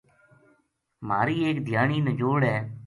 مہاری ایک دھیانی نجوڑ ہے